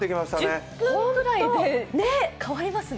１０分ぐらいで変わりますね。